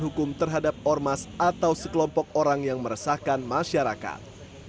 hukum terhadap ormas atau sekelompok orang yang meresahkan masyarakat